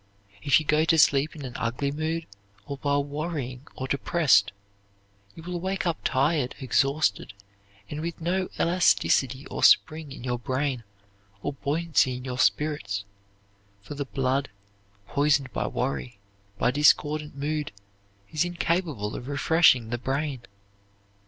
If you go to sleep in an ugly mood or while worrying or depressed, you will wake up tired, exhausted and with no elasticity or spring in your brain or buoyancy in your spirits, for the blood poisoned by worry, by discordant mood, is incapable of refreshing the brain.